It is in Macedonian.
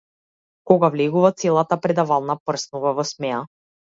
Кога влегува, целата предавална прснува во смеа.